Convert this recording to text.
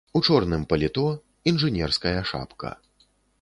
У чорным паліто, інжынерская шапка.